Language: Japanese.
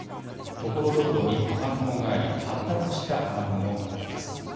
ところどころに雨雲があり発達した雨雲も見られます。